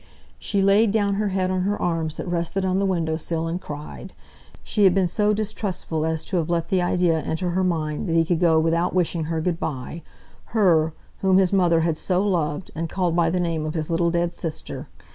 She laid down her head on her arms that rested upon the window sill, and cried, she had been so distrustful as to have let the idea enter her mind that he could go without wishing her good by her, whom his mother had so loved, and called by the name of his little dead sister.